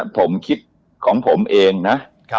ผมคิดของผมเองนะ